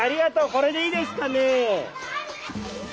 これでいいですかね？